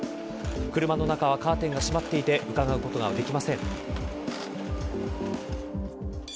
車の中はカーテンが閉まっていて伺うことができません。